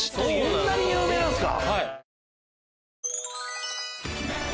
そんなに有名なんですか！